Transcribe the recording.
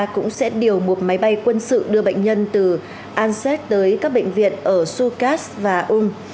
cũng sẽ điều một máy bay quân sự đưa bệnh nhân từ anzech tới các bệnh viện ở sucas và úm